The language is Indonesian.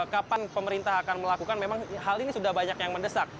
kapan pemerintah akan melakukan memang hal ini sudah banyak yang mendesak